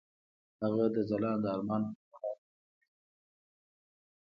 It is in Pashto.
هغه د ځلانده آرمان پر مهال د مینې خبرې وکړې.